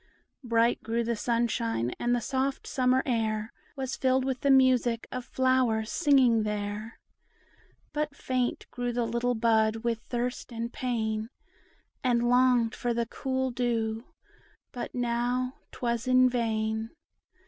Bright grew the sunshine, and the soft summer air Was filled with the music of flowers singing there; But faint grew the little bud with thirst and pain, And longed for the cool dew; but now 't was in vain.